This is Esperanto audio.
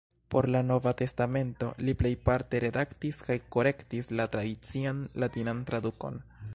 Por la Nova testamento, li plejparte redaktis kaj korektis la tradician latinan tradukon.